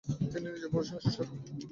তিনি নিজের পড়াশোনা শেষ করেন।